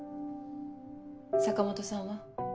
坂本さんは？